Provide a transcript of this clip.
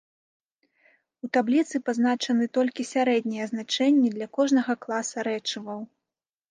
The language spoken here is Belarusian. У табліцы пазначаны толькі сярэднія значэнні для кожнага класа рэчываў.